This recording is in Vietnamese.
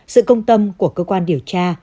sự công tâm của cơ quan điều tra